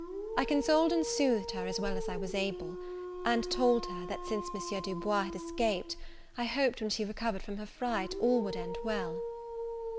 I consoled and soothed her, as well as I was able: and told her, that since M. Du Bois had escaped, I hoped, when she recovered from her fright, all would end well.